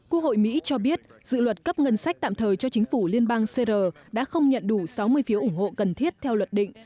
quốc hội mỹ cho biết dự luật cấp ngân sách tạm thời cho chính phủ liên bang cr đã không nhận đủ sáu mươi phiếu ủng hộ cần thiết theo luật định